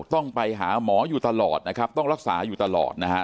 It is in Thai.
ต้องไปหาหมออยู่ตลอดนะครับต้องรักษาอยู่ตลอดนะฮะ